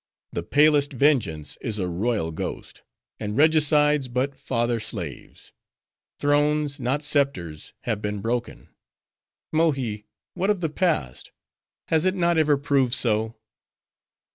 The palest vengeance is a royal ghost; and regicides but father slaves. Thrones, not scepters, have been broken. Mohi, what of the past? Has it not ever proved so?"